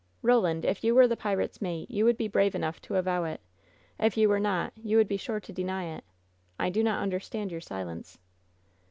"Eoland, if you were the pirate's mate, you would be brave enough to avow it. If you were not, you would be sure to deny it. I do not understand your silence."